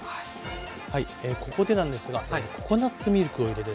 はいここでなんですがココナツミルクを入れてですね